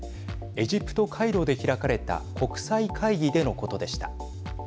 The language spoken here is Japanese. エジプト、カイロで開かれた国際会議でのことでした。